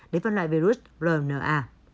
đến phân loại virus rna